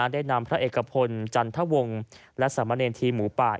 ได้นำพระเอกพลจันทวงศ์และสามเณรทีมหมูป่า